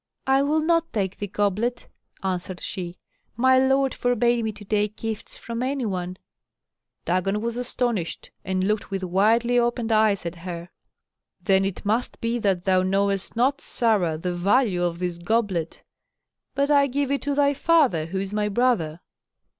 "I will not take the goblet," answered she; "my lord forbade me to take gifts from any one." Dagon was astonished, and looked with widely opened eyes at her. "Then it must be that thou knowest not, Sarah, the value of this goblet. But I give it to thy father, who is my brother."